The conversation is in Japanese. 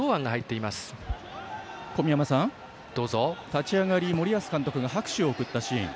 立ち上がり、森保監督が拍手を送ったシーン。